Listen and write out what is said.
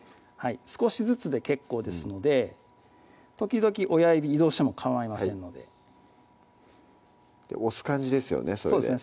少しずつで結構ですので時々親指移動してもかまいませんので押す感じですよね